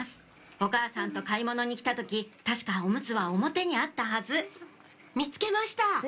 お母さんと買い物に来た時確かオムツは表にあったはず見つけました！